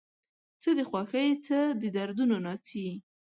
څه د خوښۍ څه د دردونو ناڅي